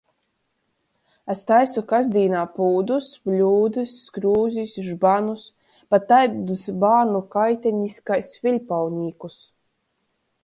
Es taisu kasdīnā pūdus, bļūdys, skrūzis, žbanus, pat taidys bārnu kaitenis kai sviļpaunīkus.